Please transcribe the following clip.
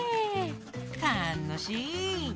たのしい！